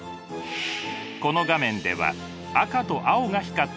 この画面では赤と青が光っています。